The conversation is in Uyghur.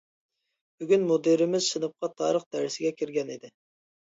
بۈگۈن مۇدىرىمىز سىنىپقا تارىخ دەرسىگە كىرگەنىدى.